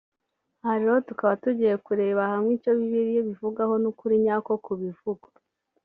aha rero tukaba tugiye kurebera hamwe icyo bibiliya ibivugaho n’ukuri nyako ku bivugwa